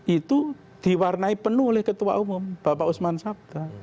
itu diwarnai penuh oleh ketua umum bapak usman sabda